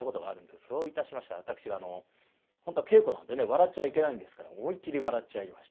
そういたしましたら私が本当は稽古なんでね笑っちゃいけないんですが思いっきり笑っちゃいまして。